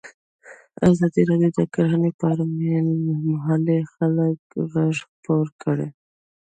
ازادي راډیو د کرهنه په اړه د محلي خلکو غږ خپور کړی.